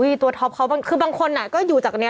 มีตัวท็อปเขาคือบางคนก็อยู่จากนี้